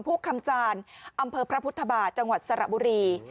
ผู้คำจานอำเภอพระพุทธบาทจังหวัดสระบุรี